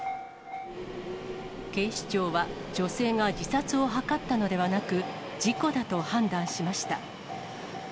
警視庁は、女性が自殺を図ったのではなく、事故だと判断しました。